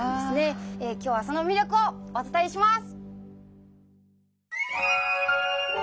今日はその魅力をお伝えします！